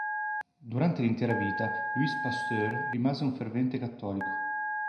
Durante l'intera vita Louis Pasteur rimase un fervente cattolico.